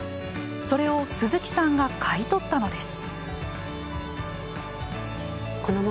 それを鈴木さんが買い取ったのです。